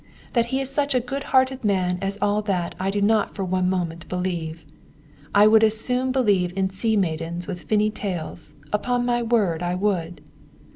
That he is such a good hearted man as all that I do not for one moment believe. I would as soon believe in sea maidens with finny tails upon my word I would.'